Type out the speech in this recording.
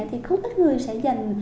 thì không tất người sẽ dành